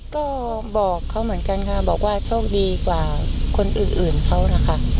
ก็บอกเขาเหมือนกันค่ะบอกว่าโชคดีกว่าคนอื่นเขานะคะ